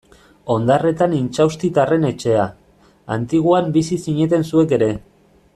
Ondarretan Intxaustitarren etxea, Antiguan bizi zineten zuek ere.